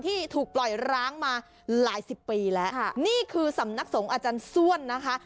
ที่ถูกปล่อยร้างมาหลายสิบปีแล้วค่ะนี่คือสำนักสงฆ์อาจารย์ส้วนนะคะ